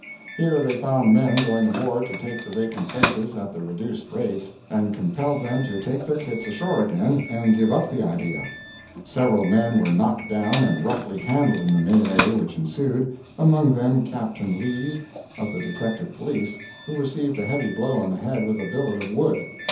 Here they found men going aboard to take the vacant places at the reduced rates, and compelled them to take their kits ashore again, and give up the idea. Several men were knocked down and roughly handled in the melee which ensued, among them Captain Lees, of the Detective Police, who received a heavy blow on the head with a billet of wood.